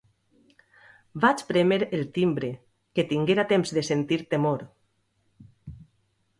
Vaig prémer el timbre, que tinguera temps de sentir temor...